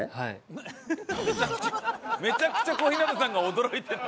めちゃくちゃ小日向さんが驚いてる。